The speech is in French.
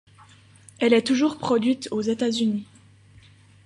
Elle est toujours produite aux États-Unis.